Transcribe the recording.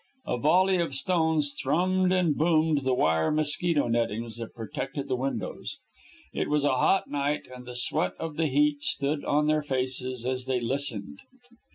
A volley of stones thrummed and boomed the wire mosquito nettings that protected the windows. It was a hot night, and the sweat of the heat stood on their faces as they listened.